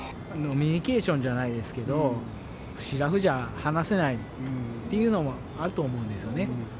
飲みにケーションじゃないですけど、しらふじゃ話せないっていうのもあると思うんですよね。